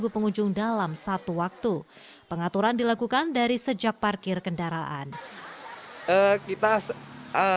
pengunjung dalam satu waktu pengaturan dilakukan dari sejak parkir kendaraan kita